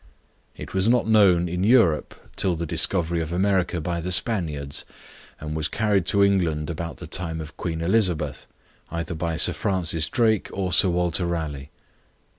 It was not known in Europe till the discovery of America by the Spaniards; and was carried to England about the time of Queen Elizabeth, either by Sir Francis Drake or Sir Walter Raleigh.